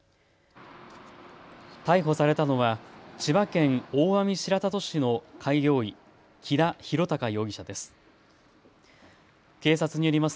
逮捕されたのは千葉県大網白里市の開業医、木田博隆容疑者です。